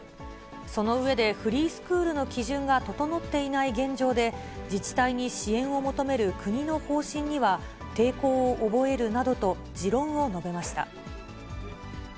その上でフリースクールの基準が整っていない現状で、自治体に支援を求める国の方針には抵抗を覚えるなどと、持論を述べました。